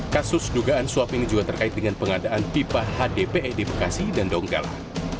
kasus dugaan suap ini juga terkait dengan pengadaan pipa hdpe di bekasi dan donggala